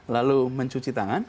lalu mencuci tangan